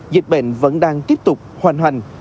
dịch bệnh vẫn đang tiếp tục hoàn hành